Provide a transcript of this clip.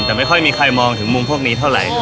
แต่ไม่ค่อยมีใครมองถึงมุมพวกนี้เท่าไหร่